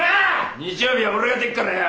日曜日は俺が出っからよ